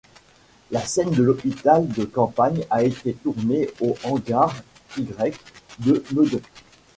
La scène de l’hôpital de campagne a été tournée au hangar Y de Meudon.